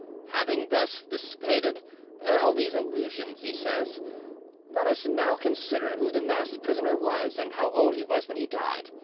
"Having thus dissipated all these illusions," he says, "let us now consider who the masked prisoner was, and how old he was when he died.